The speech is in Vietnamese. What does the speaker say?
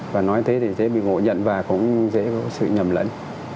và nói thế thì dễ bị ngộ nhận và cũng dễ có sự nhầm lẫn